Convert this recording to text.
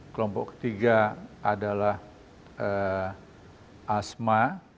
kelompok ketiga adalah asma